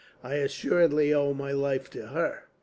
I assuredly owe my life to her."